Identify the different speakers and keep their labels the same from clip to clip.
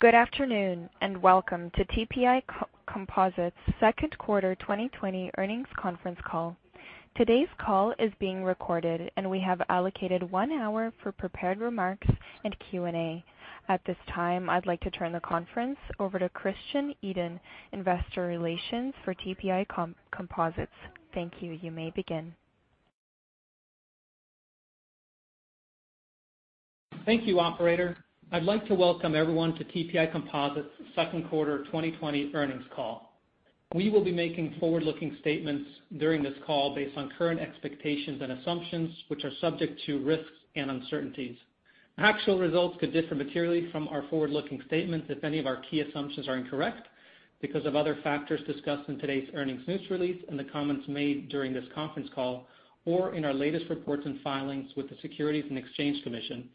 Speaker 1: Good afternoon, welcome to TPI Composites' second quarter 2020 earnings conference call. Today's call is being recorded, and we have allocated one hour for prepared remarks and Q&A. At this time, I'd like to turn the conference over to Christian Edin, Investor Relations for TPI Composites. Thank you. You may begin.
Speaker 2: Thank you, operator. I'd like to welcome everyone to TPI Composites' second quarter 2020 earnings call. We will be making forward-looking statements during this call based on current expectations and assumptions, which are subject to risks and uncertainties. Actual results could differ materially from our forward-looking statements if any of our key assumptions are incorrect because of other factors discussed in today's earnings news release and the comments made during this conference call, or in our latest reports and filings with the Securities and Exchange Commission,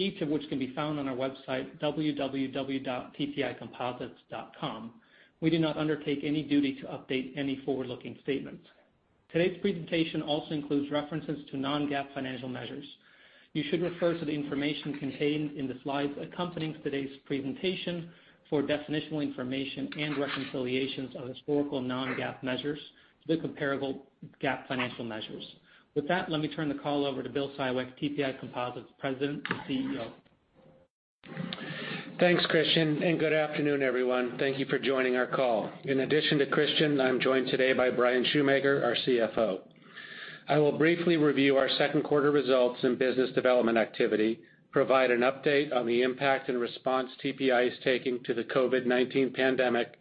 Speaker 2: each of which can be found on our website, www.tpicomposites.com. We do not undertake any duty to update any forward-looking statements. Today's presentation also includes references to non-GAAP financial measures. You should refer to the information contained in the slides accompanying today's presentation for definitional information and reconciliations of historical non-GAAP measures to the comparable GAAP financial measures. With that, let me turn the call over to Bill Siwek, TPI Composites' President and CEO.
Speaker 3: Thanks, Christian. Good afternoon, everyone. Thank you for joining our call. In addition to Christian, I am joined today by Bryan Schumaker, our CFO. I will briefly review our second quarter results and business development activity, provide an update on the impact and response TPI is taking to the COVID-19 pandemic,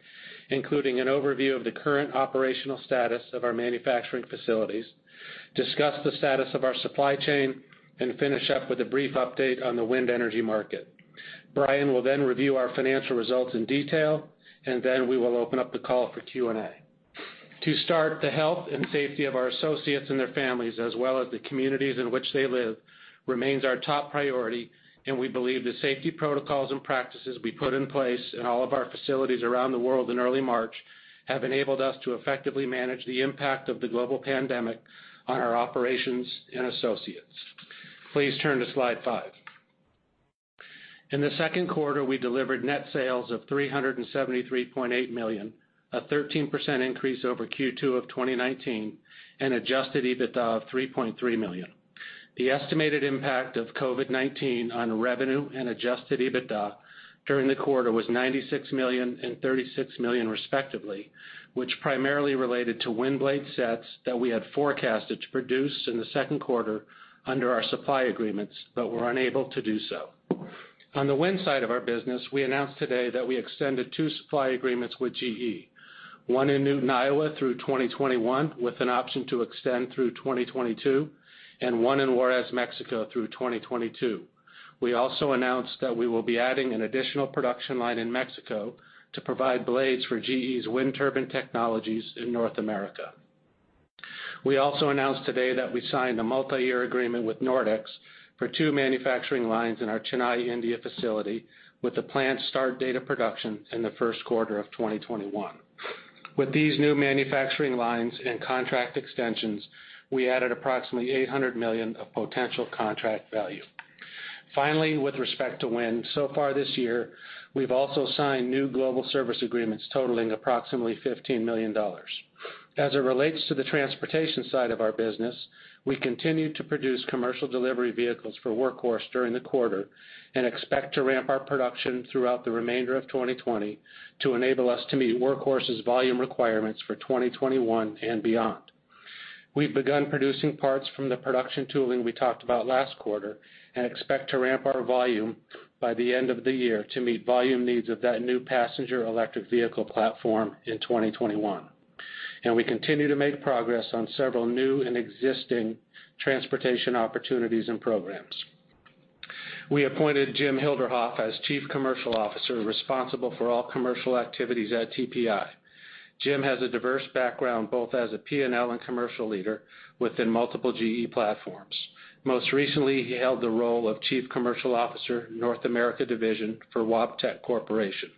Speaker 3: including an overview of the current operational status of our manufacturing facilities, discuss the status of our supply chain, and finish up with a brief update on the wind energy market. Bryan will then review our financial results in detail. We will open up the call for Q&A. To start, the health and safety of our associates and their families, as well as the communities in which they live, remains our top priority, and we believe the safety protocols and practices we put in place in all of our facilities around the world in early March have enabled us to effectively manage the impact of the global pandemic on our operations and associates. Please turn to slide five. In the second quarter, we delivered net sales of $373.8 million, a 13% increase over Q2 of 2019, and adjusted EBITDA of $3.3 million. The estimated impact of COVID-19 on revenue and adjusted EBITDA during the quarter was $96 million and $36 million respectively, which primarily related to wind blade sets that we had forecasted to produce in the second quarter under our supply agreements, but were unable to do so. On the wind side of our business, we announced today that we extended two supply agreements with GE, one in Newton, Iowa through 2021, with an option to extend through 2022, and one in Juarez, Mexico through 2022. We also announced that we will be adding an additional production line in Mexico to provide blades for GE's wind turbine technologies in North America. We also announced today that we signed a multi-year agreement with Nordex for two manufacturing lines in our Chennai, India facility, with the planned start date of production in the first quarter of 2021. With these new manufacturing lines and contract extensions, we added approximately $800 million of potential contract value. Finally, with respect to wind, so far this year, we've also signed new global service agreements totaling approximately $15 million. As it relates to the transportation side of our business, we continue to produce commercial delivery vehicles for Workhorse during the quarter and expect to ramp our production throughout the remainder of 2020 to enable us to meet Workhorse's volume requirements for 2021 and beyond. We've begun producing parts from the production tooling we talked about last quarter and expect to ramp our volume by the end of the year to meet volume needs of that new passenger electric vehicle platform in 2021. We continue to make progress on several new and existing transportation opportunities and programs. We appointed Jim Hilderhoff as Chief Commercial Officer, responsible for all commercial activities at TPI. Jim has a diverse background, both as a P&L and commercial leader within multiple GE platforms. Most recently, he held the role of Chief Commercial Officer, North America Division for Wabtec Corporation.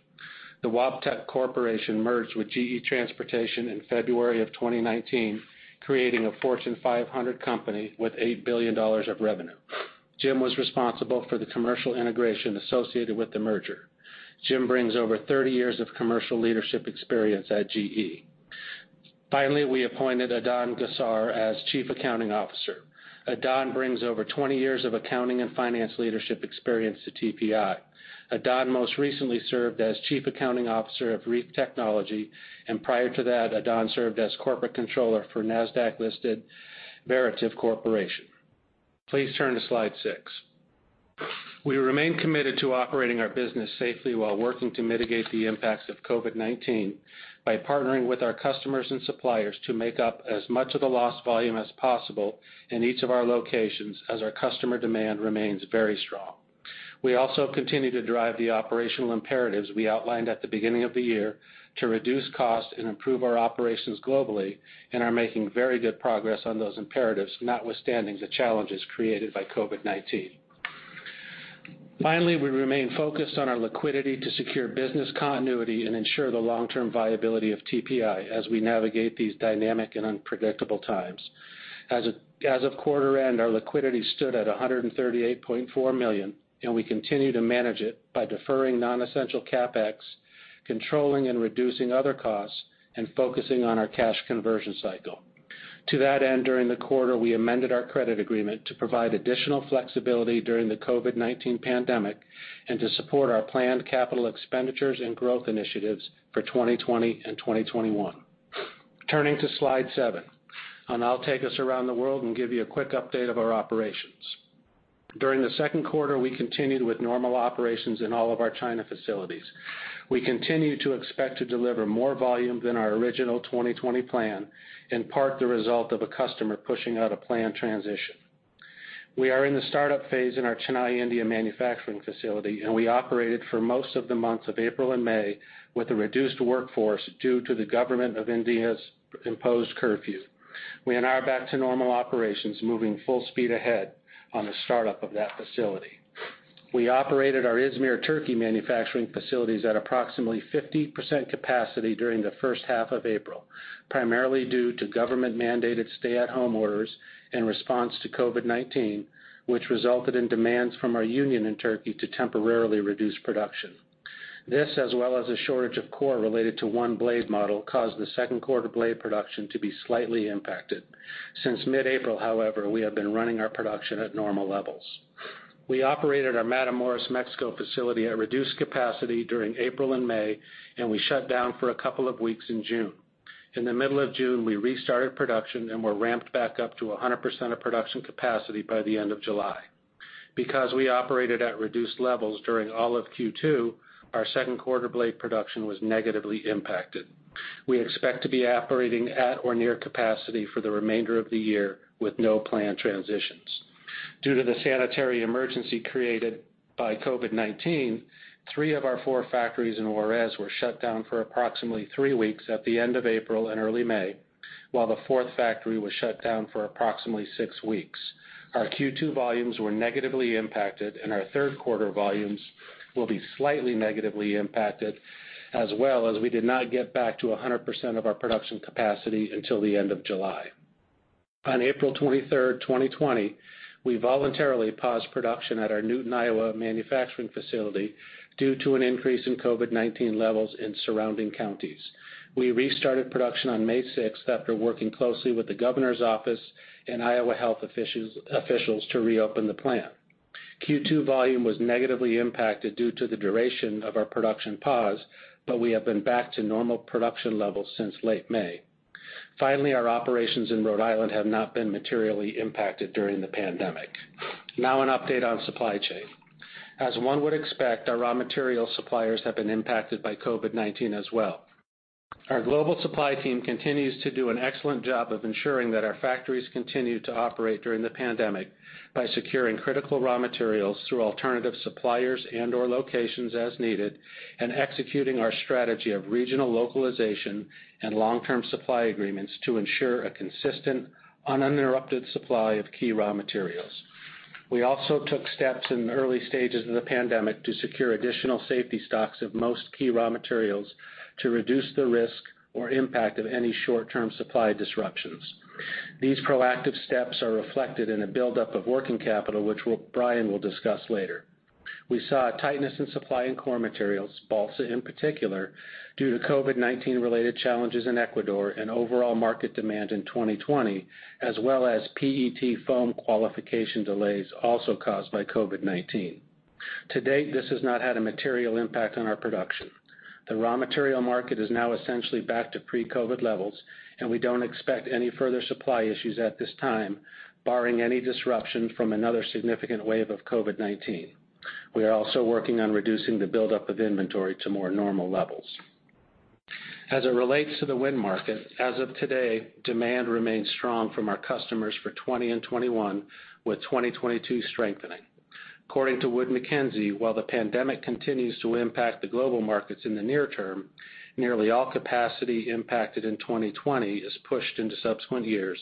Speaker 3: The Wabtec Corporation merged with GE Transportation in February of 2019, creating a Fortune 500 company with $8 billion of revenue. Jim was responsible for the commercial integration associated with the merger. Jim brings over 30 years of commercial leadership experience at GE. Finally, we appointed Adan Gossar as Chief Accounting Officer. Adan brings over 20 years of accounting and finance leadership experience to TPI. Adan most recently served as Chief Accounting Officer of REEF Technology. Prior to that, Adan served as Corporate Controller for Nasdaq-listed Veritiv Corporation. Please turn to slide six. We remain committed to operating our business safely while working to mitigate the impacts of COVID-19 by partnering with our customers and suppliers to make up as much of the lost volume as possible in each of our locations, as our customer demand remains very strong. We also continue to drive the operational imperatives we outlined at the beginning of the year to reduce cost and improve our operations globally and are making very good progress on those imperatives, notwithstanding the challenges created by COVID-19. Finally, we remain focused on our liquidity to secure business continuity and ensure the long-term viability of TPI as we navigate these dynamic and unpredictable times. As of quarter end, our liquidity stood at $138.4 million, and we continue to manage it by deferring non-essential CapEx, controlling and reducing other costs, and focusing on our cash conversion cycle. To that end, during the quarter, we amended our credit agreement to provide additional flexibility during the COVID-19 pandemic and to support our planned capital expenditures and growth initiatives for 2020 and 2021. Turning to slide seven. I'll take us around the world and give you a quick update of our operations. During the second quarter, we continued with normal operations in all of our China facilities. We continue to expect to deliver more volume than our original 2020 plan, in part the result of a customer pushing out a planned transition. We are in the startup phase in our Chennai, India, manufacturing facility, and we operated for most of the months of April and May with a reduced workforce due to the government of India's imposed curfew. We are now back to normal operations, moving full speed ahead on the startup of that facility. We operated our Izmir, Turkey, manufacturing facilities at approximately 50% capacity during the first half of April, primarily due to government-mandated stay-at-home orders in response to COVID-19, which resulted in demands from our union in Turkey to temporarily reduce production. This, as well as a shortage of core related to one blade model, caused the second quarter blade production to be slightly impacted. Since mid-April, however, we have been running our production at normal levels. We operated our Matamoros, Mexico, facility at reduced capacity during April and May, and we shut down for a couple of weeks in June. In the middle of June, we restarted production and were ramped back up to 100% of production capacity by the end of July. Because we operated at reduced levels during all of Q2, our second quarter blade production was negatively impacted. We expect to be operating at or near capacity for the remainder of the year with no planned transitions. Due to the sanitary emergency created by COVID-19, three of our four factories in Juarez were shut down for approximately three weeks at the end of April and early May, while the fourth factory was shut down for approximately six weeks. Our Q2 volumes were negatively impacted, and our third quarter volumes will be slightly negatively impacted as well, as we did not get back to 100% of our production capacity until the end of July. On April 23rd, 2020, we voluntarily paused production at our Newton, Iowa, manufacturing facility due to an increase in COVID-19 levels in surrounding counties. We restarted production on May 6th after working closely with the governor's office and Iowa health officials to reopen the plant. Q2 volume was negatively impacted due to the duration of our production pause, but we have been back to normal production levels since late May. Finally, our operations in Rhode Island have not been materially impacted during the pandemic. Now an update on supply chain. As one would expect, our raw material suppliers have been impacted by COVID-19 as well. Our global supply team continues to do an excellent job of ensuring that our factories continue to operate during the pandemic by securing critical raw materials through alternative suppliers and/or locations as needed, and executing our strategy of regional localization and long-term supply agreements to ensure a consistent, uninterrupted supply of key raw materials. We also took steps in the early stages of the pandemic to secure additional safety stocks of most key raw materials to reduce the risk or impact of any short-term supply disruptions. These proactive steps are reflected in a buildup of working capital, which Bryan will discuss later. We saw a tightness in supply in core materials, balsa in particular, due to COVID-19-related challenges in Ecuador and overall market demand in 2020, as well as PET foam qualification delays also caused by COVID-19. To date, this has not had a material impact on our production. The raw material market is now essentially back to pre-COVID levels, and we don't expect any further supply issues at this time, barring any disruption from another significant wave of COVID-19. We are also working on reducing the buildup of inventory to more normal levels. As it relates to the wind market, as of today, demand remains strong from our customers for 2020 and 2021, with 2022 strengthening. According to Wood Mackenzie, while the pandemic continues to impact the global markets in the near term, nearly all capacity impacted in 2020 is pushed into subsequent years.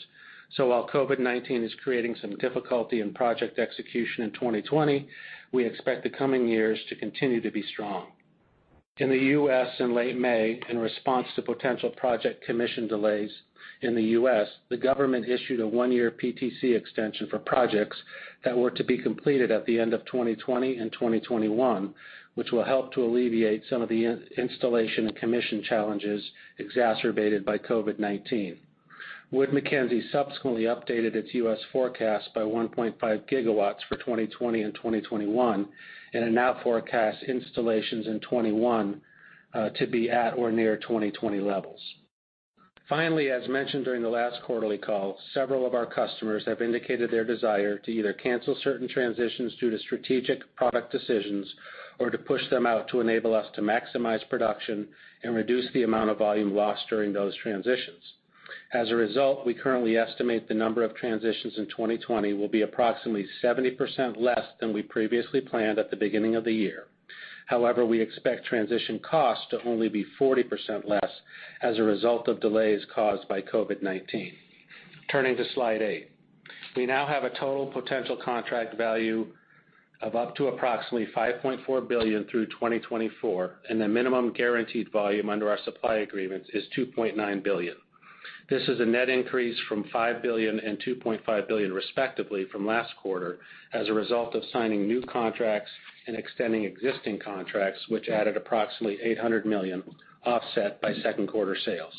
Speaker 3: While COVID-19 is creating some difficulty in project execution in 2020, we expect the coming years to continue to be strong. In the U.S. in late May, in response to potential project commission delays in the U.S., the government issued a one-year PTC extension for projects that were to be completed at the end of 2020 and 2021, which will help to alleviate some of the installation and commission challenges exacerbated by COVID-19. Wood Mackenzie subsequently updated its U.S. forecast by 1.5 GW for 2020 and 2021, and it now forecasts installations in 2021 to be at or near 2020 levels. Finally, as mentioned during the last quarterly call, several of our customers have indicated their desire to either cancel certain transitions due to strategic product decisions or to push them out to enable us to maximize production and reduce the amount of volume lost during those transitions. As a result, we currently estimate the number of transitions in 2020 will be approximately 70% less than we previously planned at the beginning of the year. However, we expect transition costs to only be 40% less as a result of delays caused by COVID-19. Turning to slide eight. We now have a total potential contract value of up to approximately $5.4 billion through 2024, and the minimum guaranteed volume under our supply agreements is $2.9 billion. This is a net increase from $5 billion and $2.5 billion respectively from last quarter as a result of signing new contracts and extending existing contracts, which added approximately $800 million offset by second quarter sales.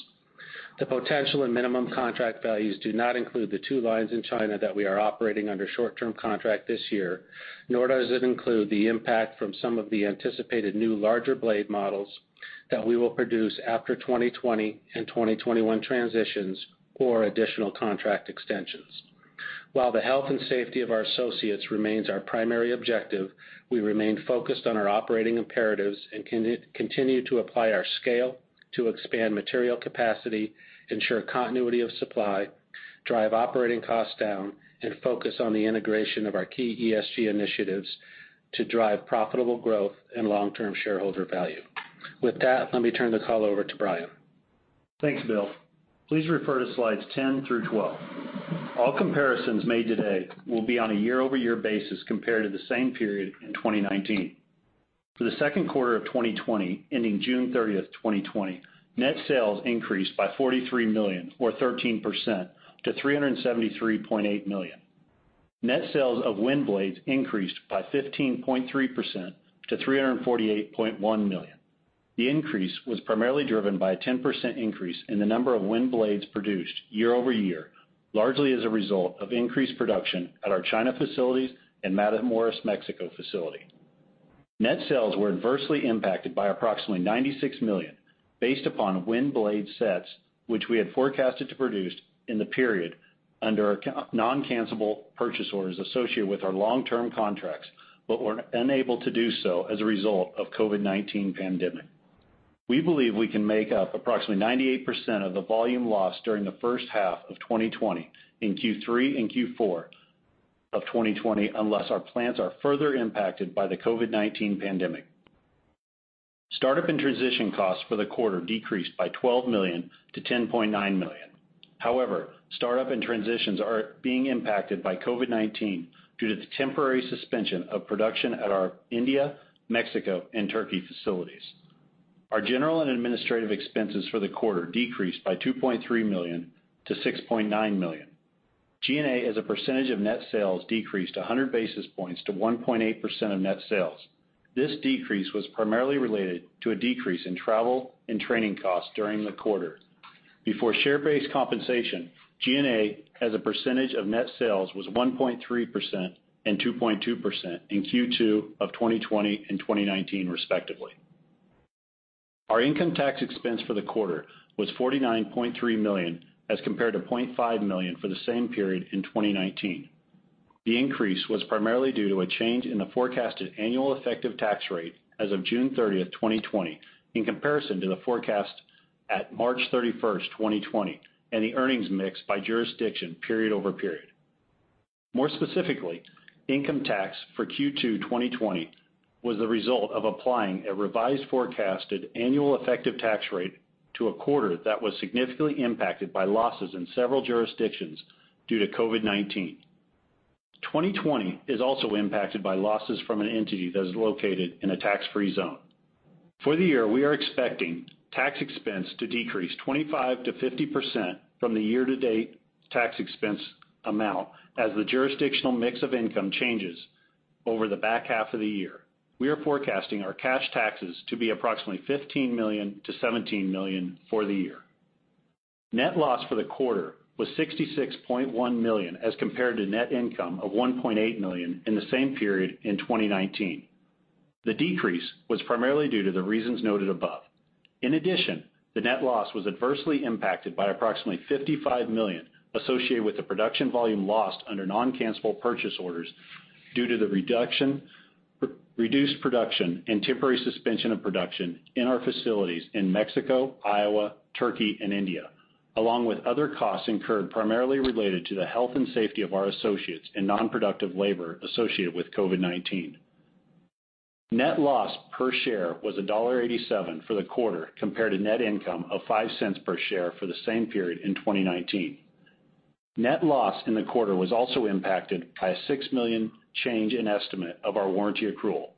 Speaker 3: The potential and minimum contract values do not include the two lines in China that we are operating under short-term contract this year, nor does it include the impact from some of the anticipated new larger blade models that we will produce after 2020 and 2021 transitions or additional contract extensions. While the health and safety of our associates remains our primary objective, we remain focused on our operating imperatives and continue to apply our scale to expand material capacity, ensure continuity of supply, drive operating costs down, and focus on the integration of our key ESG initiatives to drive profitable growth and long-term shareholder value. With that, let me turn the call over to Bryan.
Speaker 4: Thanks, Bill. Please refer to slides 10 through 12. All comparisons made today will be on a year-over-year basis compared to the same period in 2019. For the second quarter of 2020 ending June 30th, 2020, net sales increased by $43 million or 13% to $373.8 million. Net sales of wind blades increased by 15.3% to $348.1 million. The increase was primarily driven by a 10% increase in the number of wind blades produced year-over-year, largely as a result of increased production at our China facilities and Matamoros, Mexico facility. Net sales were adversely impacted by approximately $96 million based upon wind blade sets, which we had forecasted to produce in the period under our non-cancelable purchase orders associated with our long-term contracts, but were unable to do so as a result of COVID-19 pandemic. We believe we can make up approximately 98% of the volume lost during the first half of 2020 in Q3 and Q4 of 2020 unless our plants are further impacted by the COVID-19 pandemic. Startup and transition costs for the quarter decreased by $12 million to $10.9 million. Startup and transitions are being impacted by COVID-19 due to the temporary suspension of production at our India, Mexico, and Turkey facilities. Our general and administrative expenses for the quarter decreased by $2.3 million to $6.9 million. G&A as a percentage of net sales decreased 100 basis points to 1.8% of net sales. This decrease was primarily related to a decrease in travel and training costs during the quarter. Before share-based compensation, G&A as a percentage of net sales was 1.3% and 2.2% in Q2 of 2020 and 2019 respectively. Our income tax expense for the quarter was $49.3 million as compared to $0.5 million for the same period in 2019. The increase was primarily due to a change in the forecasted annual effective tax rate as of June 30th, 2020, in comparison to the forecast at March 31st, 2020, and the earnings mix by jurisdiction period-over-period. More specifically, income tax for Q2 2020 was the result of applying a revised forecasted annual effective tax rate to 1/4 that was significantly impacted by losses in several jurisdictions due to COVID-19. 2020 is also impacted by losses from an entity that is located in a tax-free zone. For the year, we are expecting tax expense to decrease 25%-50% from the year to date tax expense amount as the jurisdictional mix of income changes over the back half of the year. We are forecasting our cash taxes to be approximately $15 million-$17 million for the year. Net loss for the quarter was $66.1 million as compared to net income of $1.8 million in the same period in 2019. The decrease was primarily due to the reasons noted above. In addition, the net loss was adversely impacted by approximately $55 million associated with the production volume lost under non-cancelable purchase orders due to the reduced production and temporary suspension of production in our facilities in Mexico, Iowa, Turkey, and India, along with other costs incurred primarily related to the health and safety of our associates and non-productive labor associated with COVID-19. Net loss per share was $1.87 for the quarter compared to net income of $0.05 per share for the same period in 2019. Net loss in the quarter was also impacted by a $6 million change in estimate of our warranty accrual.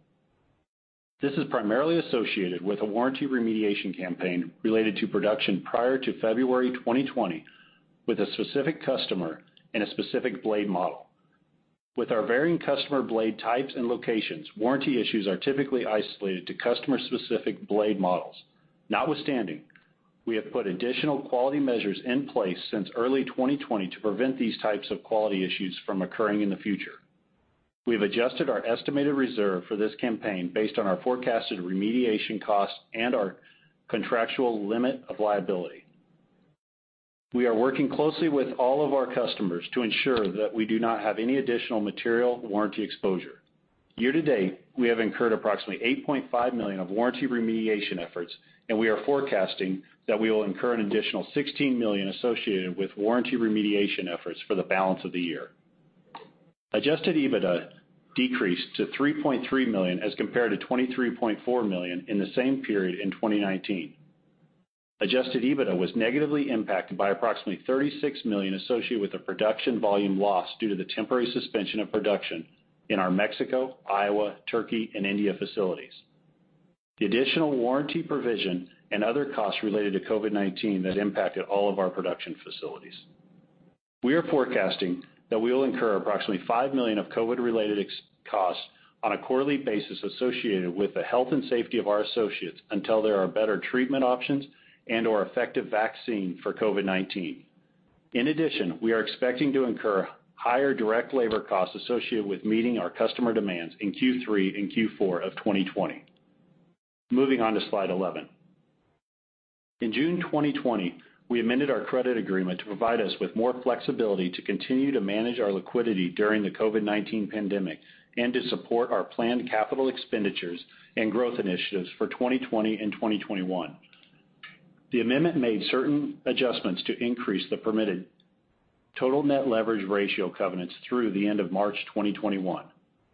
Speaker 4: This is primarily associated with a warranty remediation campaign related to production prior to February 2020 with a specific customer and a specific blade model. With our varying customer blade types and locations, warranty issues are typically isolated to customer-specific blade models. Notwithstanding, we have put additional quality measures in place since early 2020 to prevent these types of quality issues from occurring in the future. We've adjusted our estimated reserve for this campaign based on our forecasted remediation costs and our contractual limit of liability. We are working closely with all of our customers to ensure that we do not have any additional material warranty exposure. Year to date, we have incurred approximately $8.5 million of warranty remediation efforts, and we are forecasting that we will incur an additional $16 million associated with warranty remediation efforts for the balance of the year. Adjusted EBITDA decreased to $3.3 million as compared to $23.4 million in the same period in 2019. Adjusted EBITDA was negatively impacted by approximately $36 million associated with the production volume loss due to the temporary suspension of production in our Mexico, Iowa, Turkey, and India facilities. The additional warranty provision and other costs related to COVID-19 that impacted all of our production facilities. We are forecasting that we will incur approximately $5 million of COVID-related costs on a quarterly basis associated with the health and safety of our associates, until there are better treatment options and/or effective vaccine for COVID-19. In addition, we are expecting to incur higher direct labor costs associated with meeting our customer demands in Q3 and Q4 of 2020. Moving on to slide 11. In June 2020, we amended our credit agreement to provide us with more flexibility to continue to manage our liquidity during the COVID-19 pandemic, and to support our planned capital expenditures and growth initiatives for 2020 and 2021. The amendment made certain adjustments to increase the permitted total net leverage ratio covenants through the end of March 2021.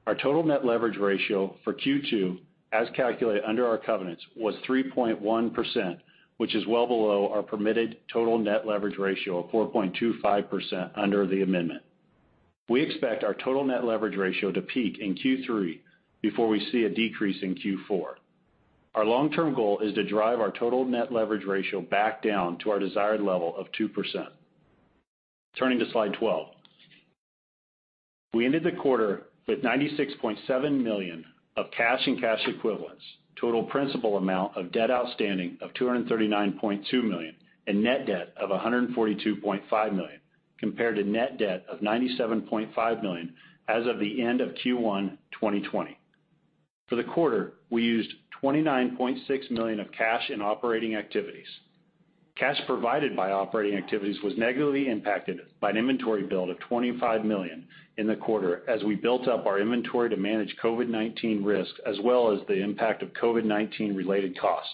Speaker 4: Our total net leverage ratio for Q2, as calculated under our covenants, was 3.1%, which is well below our permitted total net leverage ratio of 4.25% under the amendment. We expect our total net leverage ratio to peak in Q3 before we see a decrease in Q4. Our long-term goal is to drive our total net leverage ratio back down to our desired level of 2%. Turning to slide 12. We ended the quarter with $96.7 million of cash and cash equivalents, total principal amount of debt outstanding of $239.2 million, and net debt of $142.5 million, compared to net debt of $97.5 million as of the end of Q1 2020. For the quarter, we used $29.6 million of cash in operating activities. Cash provided by operating activities was negatively impacted by an inventory build of $25 million in the quarter, as we built up our inventory to manage COVID-19 risk, as well as the impact of COVID-19 related costs.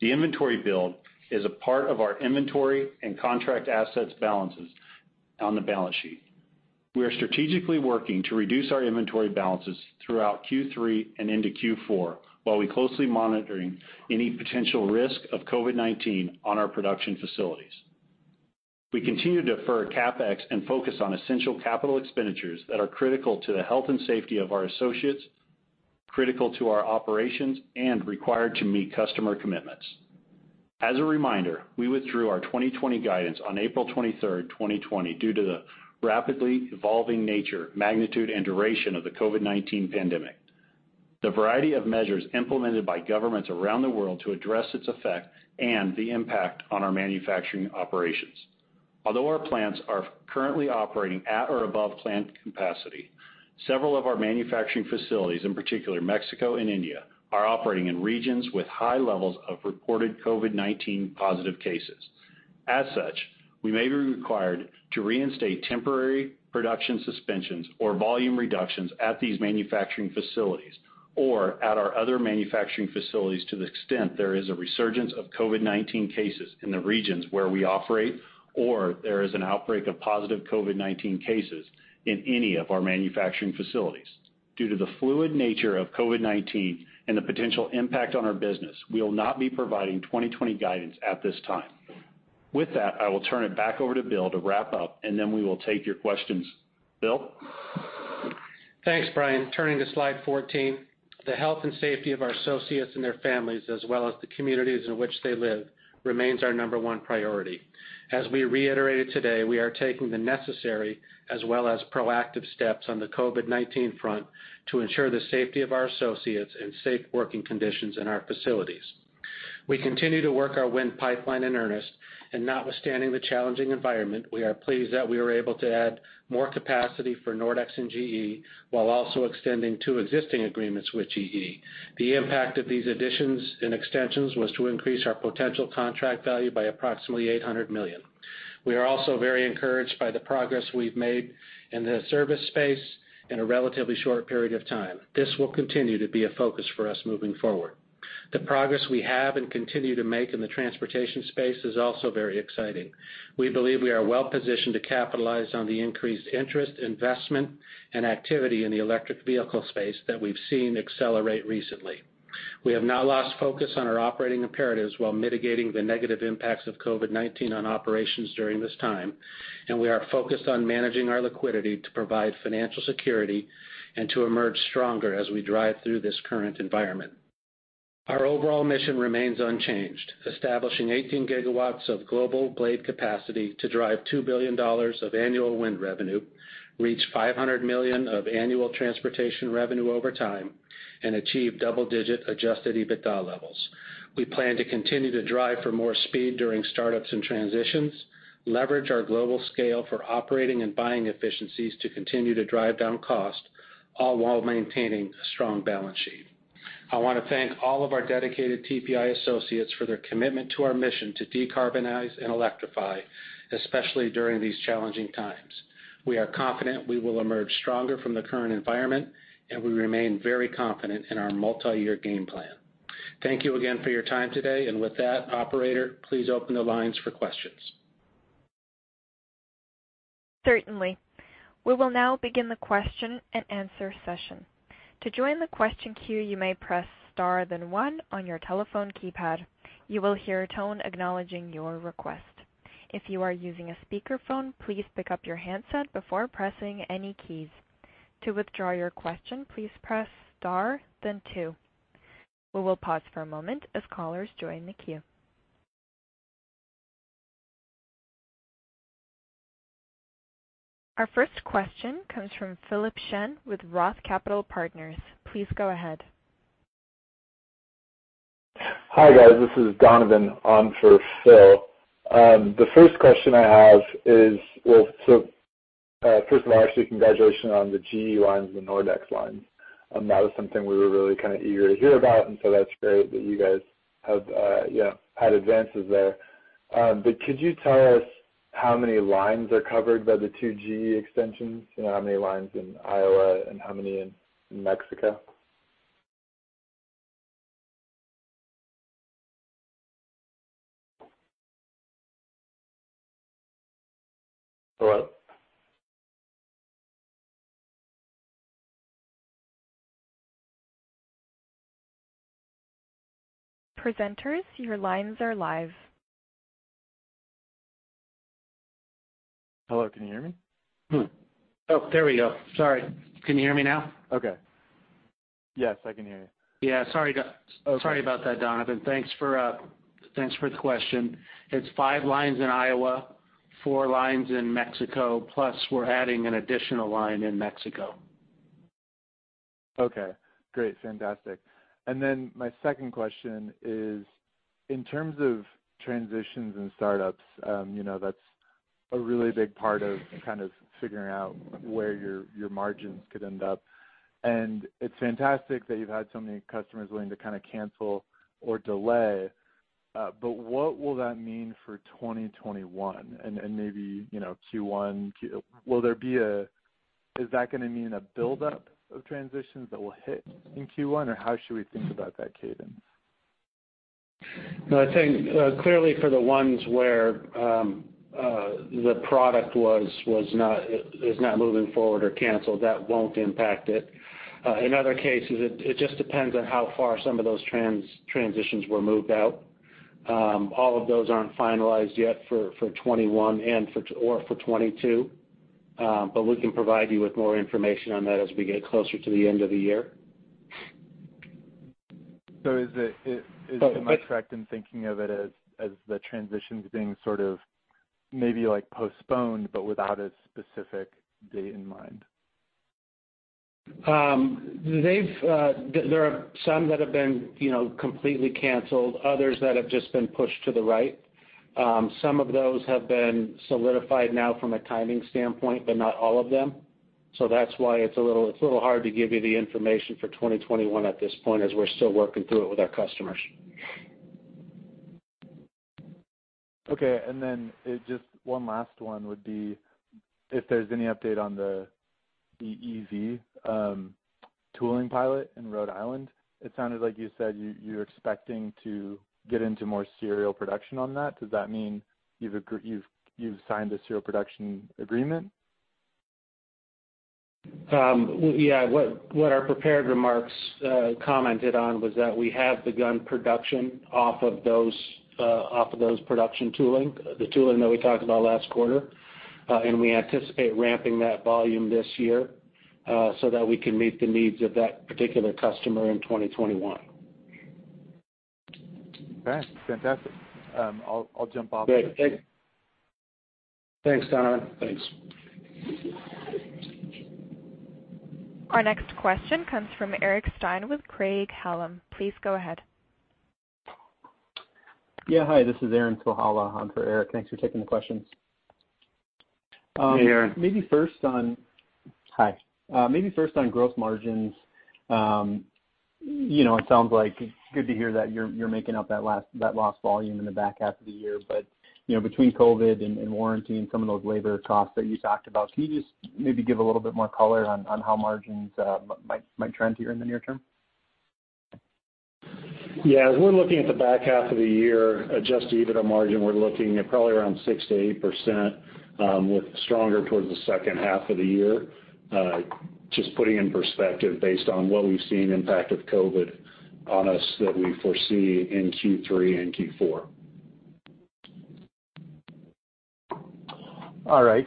Speaker 4: The inventory build is a part of our inventory and contract assets balances on the balance sheet. We are strategically working to reduce our inventory balances throughout Q3 and into Q4 while we're closely monitoring any potential risk of COVID-19 on our production facilities. We continue to defer CapEx and focus on essential capital expenditures that are critical to the health and safety of our associates, critical to our operations, and required to meet customer commitments. As a reminder, we withdrew our 2020 guidance on April 23rd, 2020, due to the rapidly evolving nature, magnitude, and duration of the COVID-19 pandemic. The variety of measures implemented by governments around the world to address its effect and the impact on our manufacturing operations. Although our plants are currently operating at or above plant capacity, several of our manufacturing facilities, in particular Mexico and India, are operating in regions with high levels of reported COVID-19 positive cases. As such, we may be required to reinstate temporary production suspensions or volume reductions at these manufacturing facilities or at our other manufacturing facilities to the extent there is a resurgence of COVID-19 cases in the regions where we operate, or there is an outbreak of positive COVID-19 cases in any of our manufacturing facilities. Due to the fluid nature of COVID-19 and the potential impact on our business, we will not be providing 2020 guidance at this time. With that, I will turn it back over to Bill to wrap up, and then we will take your questions. Bill?
Speaker 3: Thanks, Bryan. Turning to slide 14. The health and safety of our associates and their families, as well as the communities in which they live, remains our number one priority. As we reiterated today, we are taking the necessary as well as proactive steps on the COVID-19 front to ensure the safety of our associates and safe working conditions in our facilities. We continue to work our wind pipeline in earnest. Notwithstanding the challenging environment, we are pleased that we were able to add more capacity for Nordex and GE, while also extending two existing agreements with GE. The impact of these additions and extensions was to increase our potential contract value by approximately $800 million. We are also very encouraged by the progress we've made in the service space in a relatively short period of time. This will continue to be a focus for us moving forward. The progress we have and continue to make in the transportation space is also very exciting. We believe we are well-positioned to capitalize on the increased interest, investment, and activity in the electric vehicle space that we've seen accelerate recently. We have not lost focus on our operating imperatives while mitigating the negative impacts of COVID-19 on operations during this time, and we are focused on managing our liquidity to provide financial security and to emerge stronger as we drive through this current environment. Our overall mission remains unchanged, establishing 18 GW of global blade capacity to drive $2 billion of annual wind revenue, reach $500 million of annual transportation revenue over time, and achieve double-digit adjusted EBITDA levels. We plan to continue to drive for more speed during startups and transitions, leverage our global scale for operating and buying efficiencies to continue to drive down cost, all while maintaining a strong balance sheet. I want to thank all of our dedicated TPI associates for their commitment to our mission to decarbonize and electrify, especially during these challenging times. We are confident we will emerge stronger from the current environment, and we remain very confident in our multi-year game plan. Thank you again for your time today. With that, operator, please open the lines for questions.
Speaker 1: Certainly. We will now begin the question-and-answer session. To join the question queue you may press the star then one on your telephone keypad, you will tone acknowledging your request. If you are using your speaker phone, please pick up your handset before pressing any keys. To withdraw your question, please press star then two. We pause for the moment, let callers to join the queue. Our first question comes from Philip Shen with Roth Capital Partners. Please go ahead.
Speaker 5: Hi, guys. This is Donovan on for Phil. The first question I have is, first of all, actually, congratulations on the GE lines and the Nordex lines. That was something we were really eager to hear about, that's great that you guys have had advances there. Could you tell us how many lines are covered by the two GE extensions? How many lines in Iowa and how many in Mexico? Hello?
Speaker 1: Presenters, your lines are live.
Speaker 5: Hello, can you hear me?
Speaker 3: Oh, there we go. Sorry. Can you hear me now?
Speaker 5: Okay. Yes, I can hear you.
Speaker 3: Yeah, sorry-
Speaker 5: Okay
Speaker 3: Sorry about that, Donovan. Thanks for the question. It's five lines in Iowa, four lines in Mexico, plus we're adding an additional line in Mexico.
Speaker 5: Okay, great. Fantastic. My second question is, in terms of transitions and startups, that's a really big part of figuring out where your margins could end up. It's fantastic that you've had so many customers willing to cancel or delay, but what will that mean for 2021? Maybe Q1. Is that going to mean a buildup of transitions that will hit in Q1, or how should we think about that cadence?
Speaker 3: No, I think clearly for the ones where the product is not moving forward or canceled, that won't impact it. In other cases, it just depends on how far some of those transitions were moved out. All of those aren't finalized yet for 2021 or for 2022. We can provide you with more information on that as we get closer to the end of the year.
Speaker 5: Am I correct in thinking of it as the transitions being maybe postponed, but without a specific date in mind?
Speaker 3: There are some that have been completely canceled, others that have just been pushed to the right. Some of those have been solidified now from a timing standpoint, but not all of them. That's why it's a little hard to give you the information for 2021 at this point, as we're still working through it with our customers.
Speaker 5: Okay, just one last one would be if there's any update on the EV tooling pilot in Rhode Island. It sounded like you said you're expecting to get into more serial production on that. Does that mean you've signed a serial production agreement?
Speaker 3: Yeah. What our prepared remarks commented on was that we have begun production off of those production tooling, the tooling that we talked about last quarter. We anticipate ramping that volume this year, so that we can meet the needs of that particular customer in 2021.
Speaker 5: Okay. Fantastic.
Speaker 3: Okay. Thank you. Thanks, Donovan.
Speaker 5: Thanks.
Speaker 1: Our next question comes from Eric Stine with Craig-Hallum. Please go ahead.
Speaker 6: Yeah. Hi, this is Aaron with Hallum on for Eric. Thanks for taking the questions.
Speaker 3: Hey, Aaron.
Speaker 6: Hi. First on gross margins. It sounds like it's good to hear that you're making up that lost volume in the back half of the year, but between COVID and warranty and some of those labor costs that you talked about, can you just maybe give a little bit more color on how margins might trend here in the near term?
Speaker 3: As we're looking at the back half of the year, adjusted EBITDA margin, we're looking at probably around 6%-8%, with stronger towards the second half of the year, just putting in perspective based on what we've seen, impact of COVID on us that we foresee in Q3 and Q4.
Speaker 6: All right.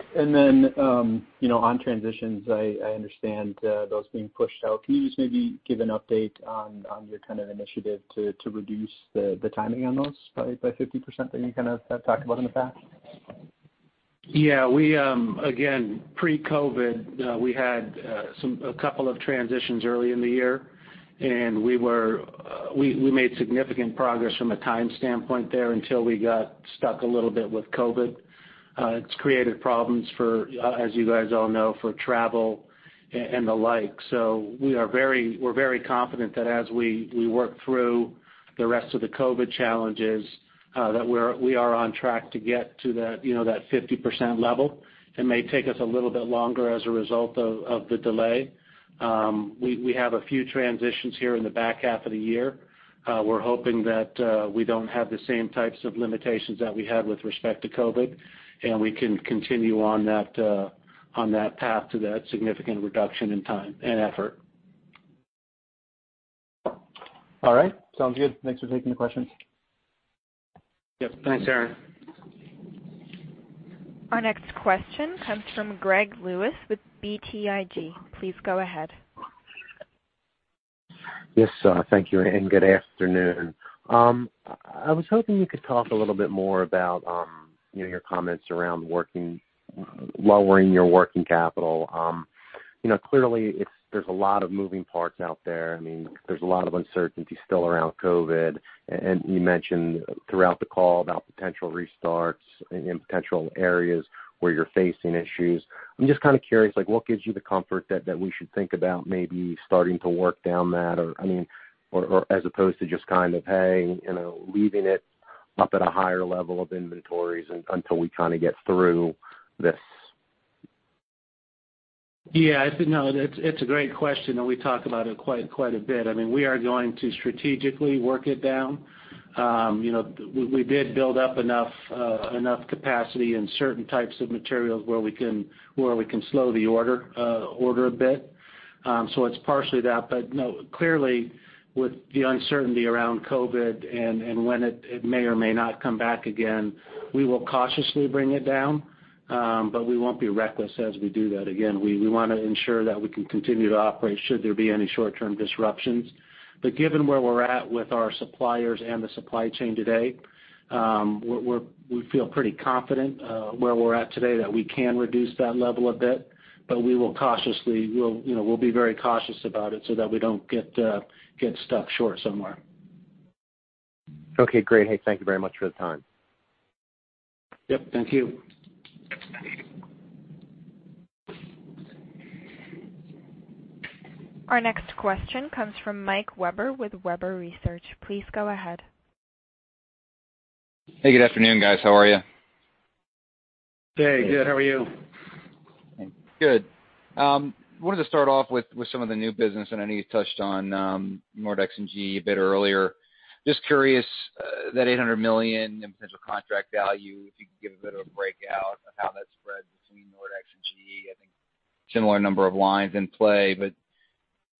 Speaker 6: On transitions, I understand those being pushed out. Can you just maybe give an update on your initiative to reduce the timing on those by 50% that you have talked about in the past?
Speaker 3: Yeah. Again, pre-COVID, we had a couple of transitions early in the year, and we made significant progress from a time standpoint there until we got stuck a little bit with COVID. It's created problems, as you guys all know, for travel and the like. We're very confident that as we work through the rest of the COVID challenges, that we are on track to get to that 50% level. It may take us a little bit longer as a result of the delay. We have a few transitions here in the back half of the year. We're hoping that we don't have the same types of limitations that we had with respect to COVID, and we can continue on that path to that significant reduction in time and effort.
Speaker 6: All right. Sounds good. Thanks for taking the questions.
Speaker 3: Yep. Thanks, Aaron.
Speaker 1: Our next question comes from Greg Lewis with BTIG. Please go ahead.
Speaker 7: Yes. Thank you, and good afternoon. I was hoping you could talk a little bit more about your comments around lowering your working capital. Clearly, there's a lot of moving parts out there. There's a lot of uncertainty still around COVID. You mentioned throughout the call about potential restarts in potential areas where you're facing issues. I'm just kind of curious, what gives you the comfort that we should think about maybe starting to work down that? As opposed to just kind of leaving it up at a higher level of inventories until we kind of get through this.
Speaker 3: Yeah. No, it's a great question. We talk about it quite a bit. We are going to strategically work it down. We did build up enough capacity in certain types of materials where we can slow the order a bit. It's partially that. Clearly, with the uncertainty around COVID and when it may or may not come back again, we will cautiously bring it down. We won't be reckless as we do that. Again, we want to ensure that we can continue to operate should there be any short-term disruptions. Given where we're at with our suppliers and the supply chain today, we feel pretty confident where we're at today that we can reduce that level a bit. We'll be very cautious about it so that we don't get stuck short somewhere.
Speaker 7: Okay, great. Hey, thank you very much for the time.
Speaker 3: Yep, thank you.
Speaker 1: Our next question comes from Mike Webber with Webber Research. Please go ahead.
Speaker 8: Hey, good afternoon, guys. How are you?
Speaker 3: Hey, good. How are you?
Speaker 8: Good. Wanted to start off with some of the new business, I know you touched on Nordex and GE a bit earlier. Just curious, that $800 million in potential contract value, if you could give a bit of a breakout of how that spreads between Nordex and GE. I think similar number of lines in play.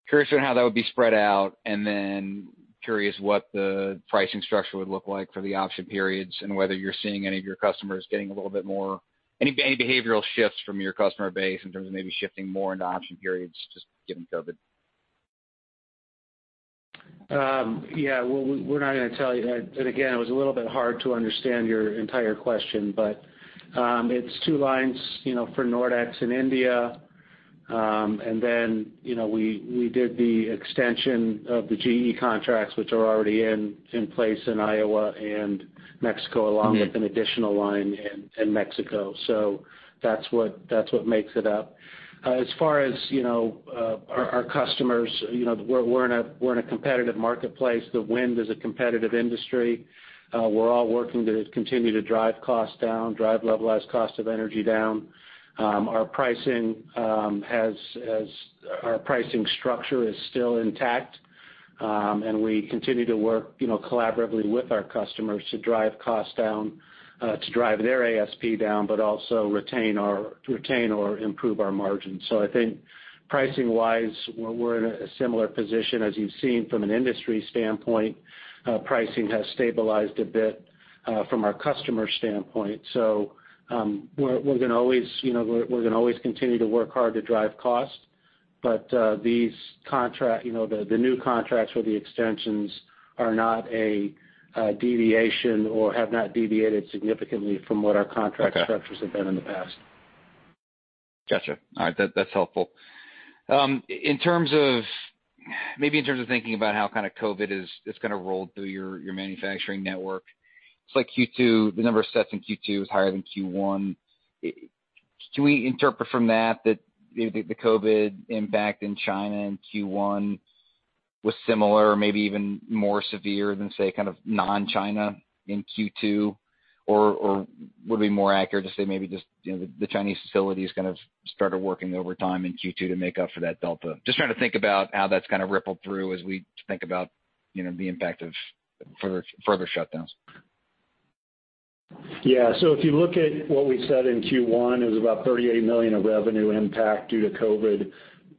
Speaker 8: Curious how that would be spread out. Curious what the pricing structure would look like for the option periods and whether you're seeing any behavioral shifts from your customer base in terms of maybe shifting more into option periods just given COVID.
Speaker 3: Yeah. Well, we're not going to tell you that. Again, it was a little bit hard to understand your entire question, but it's two lines for Nordex in India. Then we did the extension of the GE contracts, which are already in place in Iowa and Mexico, along with an additional line in Mexico. That's what makes it up. As far as our customers, we're in a competitive marketplace. The wind is a competitive industry. We're all working to continue to drive costs down, drive levelized cost of energy down. Our pricing structure is still intact. We continue to work collaboratively with our customers to drive costs down, to drive their ASP down, also retain or improve our margins. I think pricing-wise, we're in a similar position as you've seen from an industry standpoint. Pricing has stabilized a bit from our customer standpoint. We're going to always continue to work hard to drive costs. The new contracts or the extensions are not a deviation or have not deviated significantly from what our contract structures have been in the past.
Speaker 8: Got you. All right. That's helpful. Maybe in terms of thinking about how COVID is going to roll through your manufacturing network, the number of sets in Q2 was higher than Q1. Can we interpret from that the COVID impact in China in Q1 was similar or maybe even more severe than, say, kind of non-China in Q2? Or would it be more accurate to say maybe just the Chinese facilities kind of started working overtime in Q2 to make up for that delta? Just trying to think about how that's kind of rippled through as we think about the impact of further shutdowns.
Speaker 3: Yeah. If you look at what we said in Q1, it was about $38 million of revenue impact due to COVID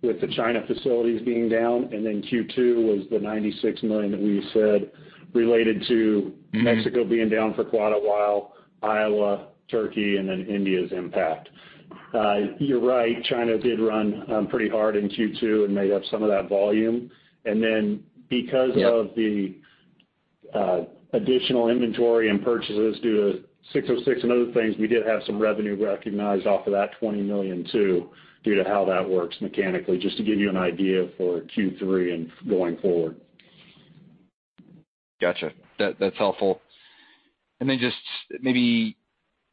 Speaker 3: with the China facilities being down, and then Q2 was the $96 million that we said related to Mexico being down for quite a while, Iowa, Turkey, and then India's impact. You're right, China did run pretty hard in Q2 and made up some of that volume. Because of the additional inventory and purchases due to 606 and other things, we did have some revenue recognized off of that $20 million too due to how that works mechanically, just to give you an idea for Q3 and going forward.
Speaker 8: Got you. That's helpful. Then just maybe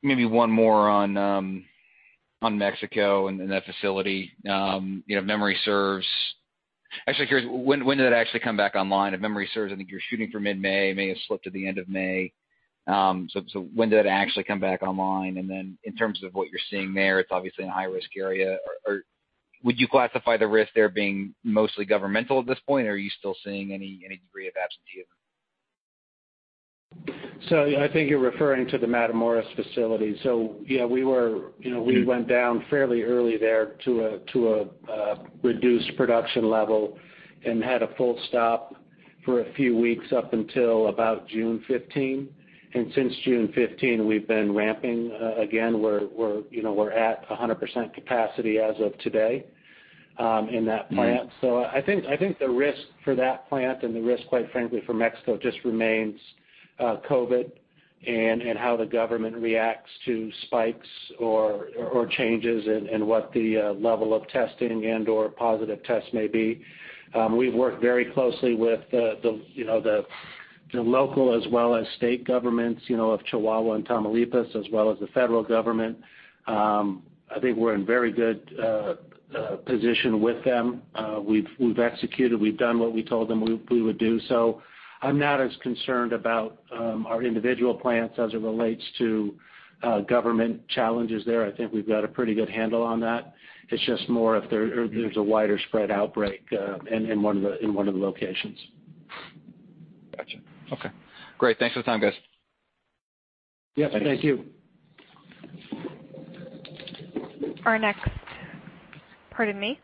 Speaker 8: one more on Mexico and that facility. Actually curious, when did that actually come back online? If memory serves, I think you're shooting for mid-May, may have slipped to the end of May. When did that actually come back online? Then in terms of what you're seeing there, it's obviously a high-risk area. Would you classify the risk there being mostly governmental at this point, or are you still seeing any degree of absenteeism?
Speaker 3: I think you're referring to the Matamoros facility. Yeah, we went down fairly early there to a reduced production level and had a full stop for a few weeks up until about June 15. Since June 15, we've been ramping again. We're at 100% capacity as of today in that plant. I think the risk for that plant and the risk, quite frankly, for Mexico just remains COVID-19 and how the government reacts to spikes or changes in what the level of testing and/or positive tests may be. We've worked very closely with the local as well as state governments of Chihuahua and Tamaulipas, as well as the Federal Government. I think we're in very good position with them. We've executed, we've done what we told them we would do. I'm not as concerned about our individual plants as it relates to government challenges there. I think we've got a pretty good handle on that. It's just more if there's a wider spread outbreak in one of the locations.
Speaker 8: Got you. Okay, great. Thanks for the time, guys.
Speaker 3: Yep, thank you.
Speaker 1: Pardon me.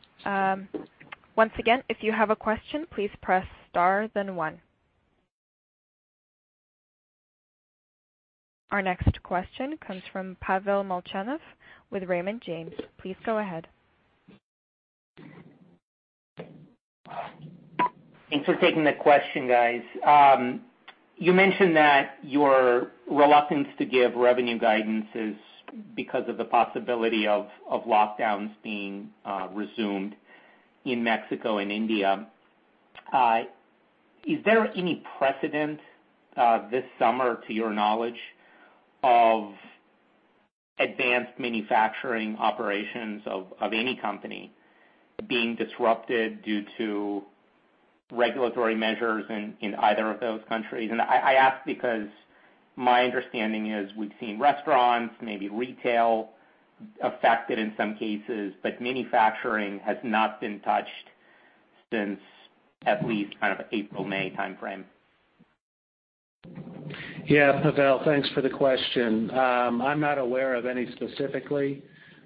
Speaker 1: Once again, if you have a question, please press star then one. Our next question comes from Pavel Molchanov with Raymond James. Please go ahead.
Speaker 9: Thanks for taking the question, guys. You mentioned that your reluctance to give revenue guidance is because of the possibility of lockdowns being resumed in Mexico and India. Is there any precedent this summer, to your knowledge, of advanced manufacturing operations of any company being disrupted due to regulatory measures in either of those countries? I ask because my understanding is we've seen restaurants, maybe retail affected in some cases, but manufacturing has not been touched since at least kind of April, May timeframe.
Speaker 3: Yeah, Pavel, thanks for the question. I'm not aware of any specifically.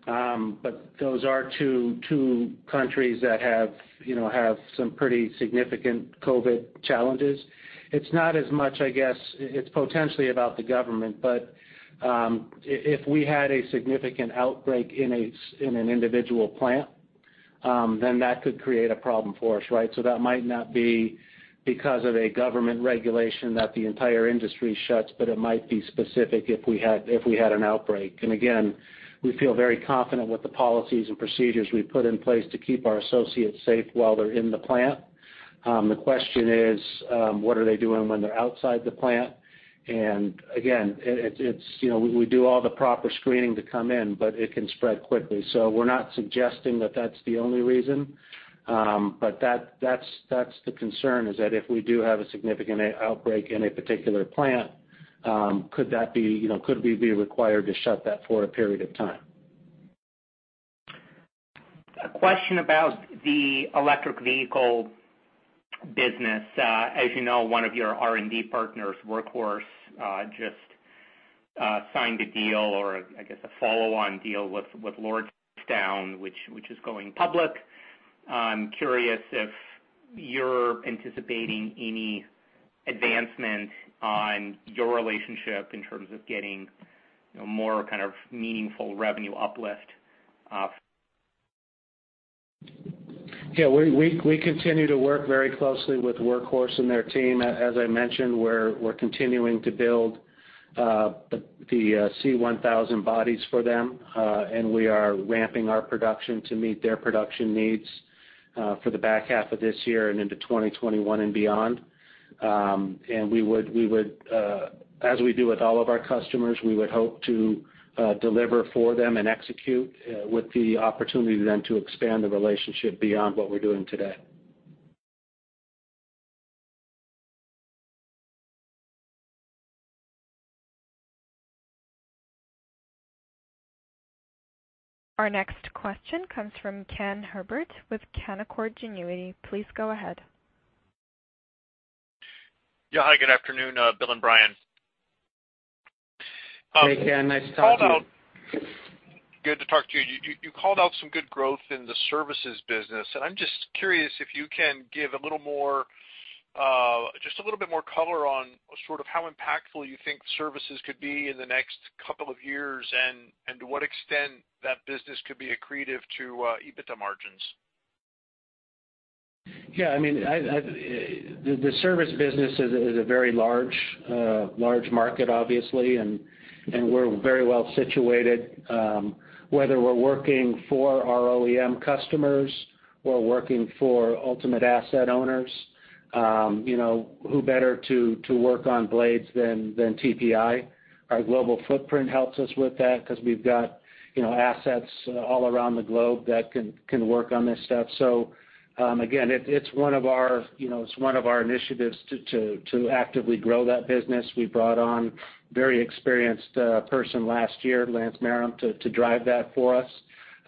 Speaker 3: Those are two countries that have some pretty significant COVID challenges. It's not as much, I guess it's potentially about the government, but if we had a significant outbreak in an individual plant, then that could create a problem for us, right? That might not be because of a government regulation that the entire industry shuts, but it might be specific if we had an outbreak. Again, we feel very confident with the policies and procedures we've put in place to keep our associates safe while they're in the plant. The question is, what are they doing when they're outside the plant? Again, we do all the proper screening to come in, but it can spread quickly. We're not suggesting that that's the only reason. That's the concern is that if we do have a significant outbreak in a particular plant, could we be required to shut that for a period of time?
Speaker 9: A question about the electric vehicle business. As you know, one of your R&D partners, Workhorse, just signed a deal or I guess a follow-on deal with Lordstown, which is going public. I'm curious if you're anticipating any advancement on your relationship in terms of getting more kind of meaningful revenue uplift.
Speaker 3: Yeah, we continue to work very closely with Workhorse and their team. As I mentioned, we're continuing to build the C1000 bodies for them, and we are ramping our production to meet their production needs for the back half of this year and into 2021 and beyond. As we do with all of our customers, we would hope to deliver for them and execute with the opportunity then to expand the relationship beyond what we're doing today.
Speaker 1: Our next question comes from Ken Herbert with Canaccord Genuity. Please go ahead.
Speaker 10: Yeah. Hi, good afternoon, Bill and Bryan.
Speaker 3: Hey, Ken, nice to talk to you.
Speaker 10: Good to talk to you. You called out some good growth in the services business. I'm just curious if you can give just a little bit more color on sort of how impactful you think services could be in the next couple of years and to what extent that business could be accretive to EBITDA margins.
Speaker 3: Yeah, the service business is a very large market, obviously, and we're very well situated. Whether we're working for our OEM customers or working for ultimate asset owners. Who better to work on blades than TPI? Our global footprint helps us with that because we've got assets all around the globe that can work on this stuff. Again, it's one of our initiatives to actively grow that business. We brought on very experienced person last year, Lance Marram, to drive that for us.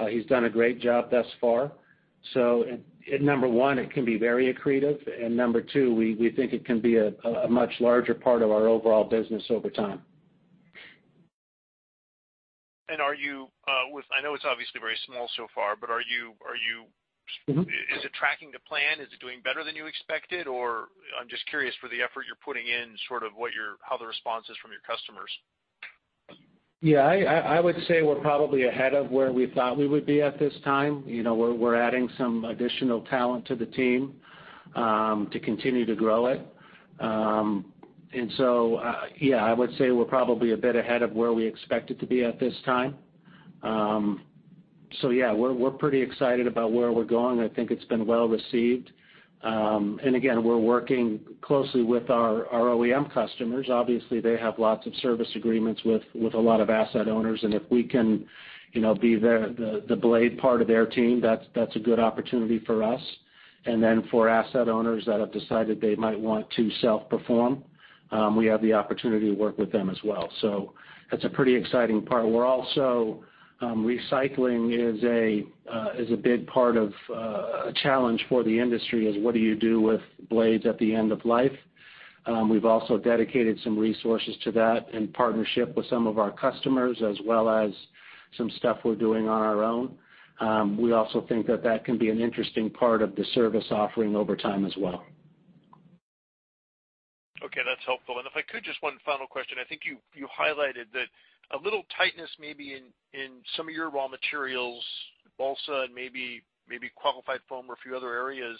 Speaker 3: He's done a great job thus far. Number one, it can be very accretive, and number two, we think it can be a much larger part of our overall business over time.
Speaker 10: I know it's obviously very small so far, but is it tracking to plan? Is it doing better than you expected? I'm just curious for the effort you're putting in, sort of how the response is from your customers.
Speaker 3: Yeah, I would say we're probably ahead of where we thought we would be at this time. We're adding some additional talent to the team to continue to grow it. Yeah, I would say we're probably a bit ahead of where we expect it to be at this time. Yeah, we're pretty excited about where we're going. I think it's been well-received. Again, we're working closely with our OEM customers. Obviously, they have lots of service agreements with a lot of asset owners, and if we can be the blade part of their team, that's a good opportunity for us. For asset owners that have decided they might want to self-perform, we have the opportunity to work with them as well. That's a pretty exciting part. Recycling is a big part of a challenge for the industry, is what do you do with blades at the end of life? We've also dedicated some resources to that in partnership with some of our customers, as well as some stuff we're doing on our own. We also think that that can be an interesting part of the service offering over time as well.
Speaker 10: Okay, that's helpful. If I could, just one final question. I think you highlighted that a little tightness may be in some of your raw materials, balsa and maybe qualified foam or a few other areas.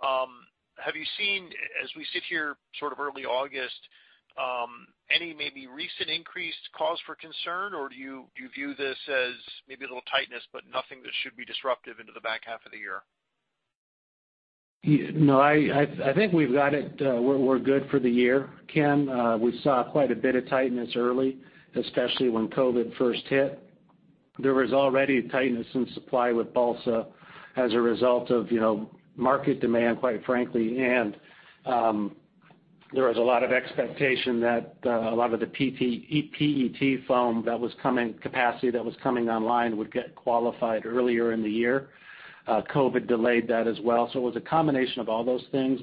Speaker 10: Have you seen, as we sit here sort of early August, any maybe recent increased cause for concern, or do you view this as maybe a little tightness, but nothing that should be disruptive into the back half of the year?
Speaker 3: No, I think we've got it. We're good for the year, Ken. We saw quite a bit of tightness early, especially when COVID first hit. There was already tightness in supply with balsa as a result of market demand, quite frankly. There was a lot of expectation that a lot of the PET foam capacity that was coming online would get qualified earlier in the year. COVID delayed that as well. It was a combination of all those things.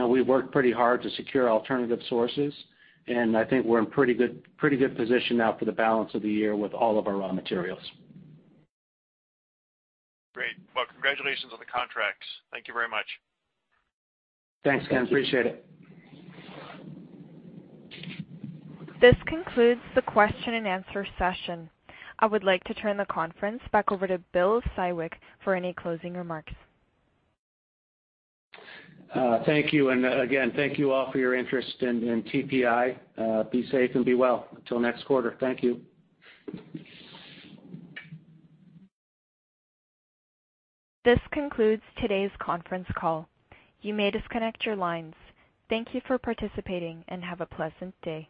Speaker 3: We worked pretty hard to secure alternative sources, and I think we're in pretty good position now for the balance of the year with all of our raw materials.
Speaker 10: Great. Congratulations on the contracts. Thank you very much.
Speaker 3: Thanks, Ken. Appreciate it.
Speaker 1: This concludes the question-and-answer session. I would like to turn the conference back over to Bill Siwek for any closing remarks.
Speaker 3: Thank you. Again, thank you all for your interest in TPI. Be safe and be well. Until next quarter. Thank you.
Speaker 1: This concludes today's conference call. You may disconnect your lines. Thank you for participating, and have a pleasant day.